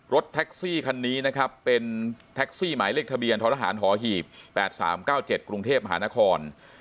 รถแท็กซี่คันนี้นะครับเป็นแท็กซี่หมายเลขทะเบียนท้อทหารหอหีบ๘๓๙๗กรุงเทพมหานคร